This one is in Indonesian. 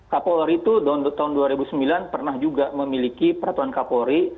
kapolri itu tahun dua ribu sembilan pernah juga memiliki peraturan kapolri